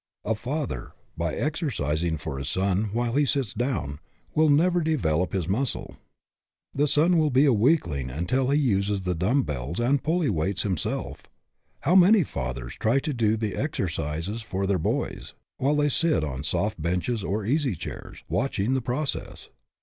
A father, by exercising for his son, while he sits down, will never develop his muscle. The son will be a weakling until he uses the dumb bells and pulley weights him self. How many fathers try to do the exer cises for their boys, while they sit on soft benches or easy chairs, watching the process!